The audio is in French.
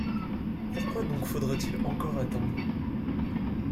Pourquoi donc faudrait-il encore attendre?